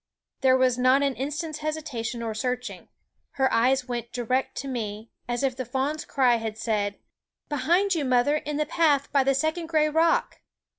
There was not an instant's hesitation or searching. Her eyes went direct to me, as if the fawn's cry had said: "Behind you, mother, in the path by the second gray rock!"